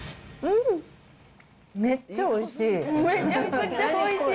めっちゃおいしい。